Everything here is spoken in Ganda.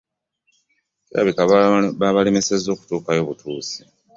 Kirabika babalemesezza kutuukayo butuusi.